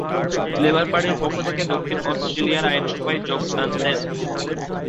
Labour পার্টির পক্ষ থেকে দক্ষিণ অস্ট্রেলিয়ার আইনসভায় যোগ দেন।